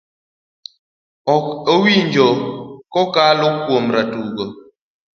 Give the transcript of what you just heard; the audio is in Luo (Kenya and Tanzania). ok owinjo kokalo kuom jotugo,